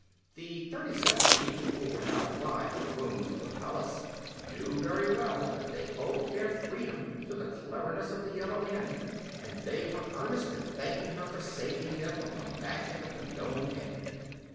The thirty seven people who were now alive in the rooms of the palace knew very well that they owed their freedom to the cleverness of the yellow hen, and they were earnest in thanking her for saving them from the magic of the Nome King.